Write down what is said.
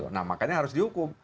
nah makanya harus dihukum